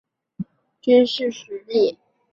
玩家通过内政使国家富裕并提高军事实力。